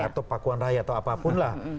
atau pakuan raya atau apapun lah